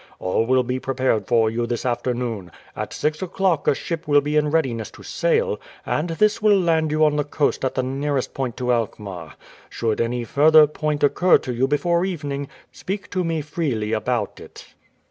All will be prepared for you this afternoon. At six o'clock a ship will be in readiness to sail, and this will land you on the coast at the nearest point to Alkmaar. Should any further point occur to you before evening, speak to me freely about it."